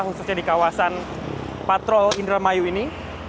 khususnya di kawasan patrol indramayu ini